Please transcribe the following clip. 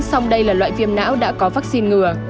song đây là loại viêm não đã có vaccine ngừa